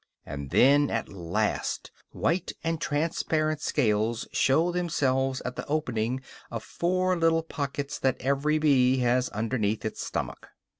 And then at last white and transparent scales show themselves at the opening of four little pockets that every bee has underneath its stomach.